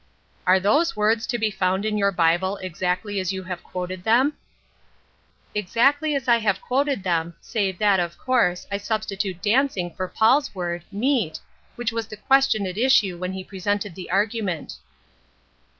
" Are those words to be found in your Bible exactly as you have quoted them ?"" Exactly as I have quoted them, save that, of course, I substitute dancing for Paul's word — meai — which was the question at issue when he presented the argument."